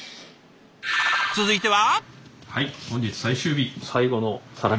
続いては。